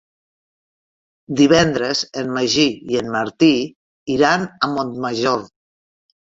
Divendres en Magí i en Martí iran a Montmajor.